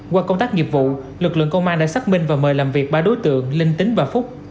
qua công tác nghiệp vụ lực lượng công an đã xác minh và mời làm việc ba đối tượng linh tính và phúc